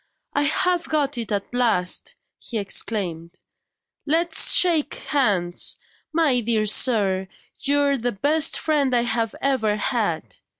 "I have got it at last!" he exclaimed. "Let's shake hands. My dear sir, you're the best friend I have ever had!"